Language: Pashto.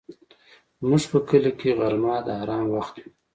زموږ په کلي کې غرمه د آرام وخت وي